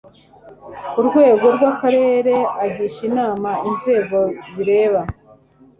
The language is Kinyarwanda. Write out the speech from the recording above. ku rwego rw akarere agisha inama inzego bireba